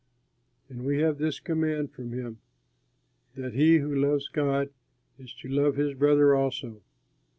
And we have this command from him, that he who loves God is to love his brother also.